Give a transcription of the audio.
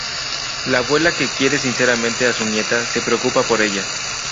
La abuela, que quiere sinceramente a su nieta, se preocupa por ella.